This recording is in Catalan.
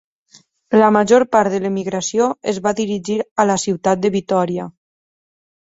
La major part de l'emigració es va dirigir a la ciutat de Vitòria.